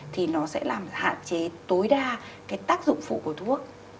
thì nó sẽ làm hạn chế tối đa cái tác dụng phụ của thuốc